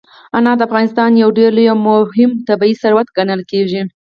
انار د افغانستان یو ډېر لوی او مهم طبعي ثروت ګڼل کېږي.